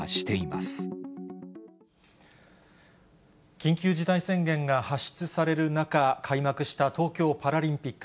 緊急事態宣言が発出される中、開幕した東京パラリンピック。